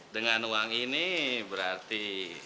dengan uang ini berarti